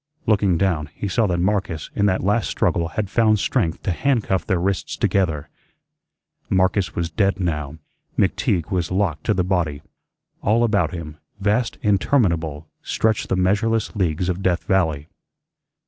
Looking down, he saw that Marcus in that last struggle had found strength to handcuff their wrists together. Marcus was dead now; McTeague was locked to the body. All about him, vast interminable, stretched the measureless leagues of Death Valley.